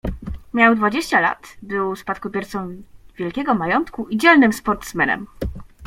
"Miał dwadzieścia lat, był spadkobiercą wielkiego majątku i dzielnym sportsmenem."